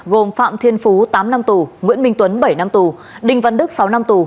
gồm phạm thiên phú tám năm tù nguyễn minh tuấn bảy năm tù đinh văn đức sáu năm tù